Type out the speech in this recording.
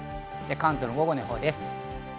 関東の午後の予報です。